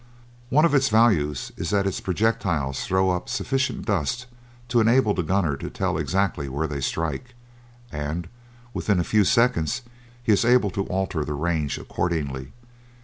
One of its values is that its projectiles throw up sufficient dust to enable the gunner to tell exactly where they strike, and within a few seconds he is able to alter the range accordingly.